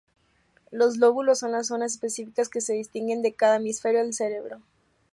Los lóbulos son las zonas específicas que se distinguen de cada hemisferio del cerebro.